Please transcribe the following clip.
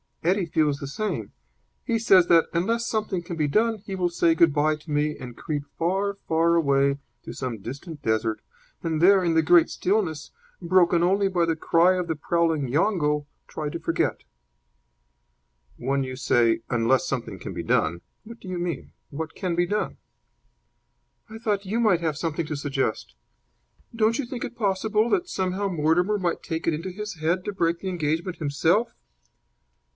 Eddie feels the same. He says that, unless something can be done, he will say good bye to me and creep far, far away to some distant desert, and there, in the great stillness, broken only by the cry of the prowling yongo, try to forget." "When you say 'unless something can be done,' what do you mean? What can be done?" "I thought you might have something to suggest. Don't you think it possible that somehow Mortimer might take it into his head to break the engagement himself?"